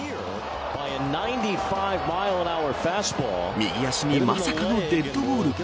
右足にまさかのデッドボール。